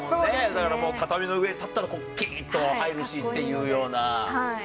だからもう、畳の上立ったら、きーっと入るしっていうような。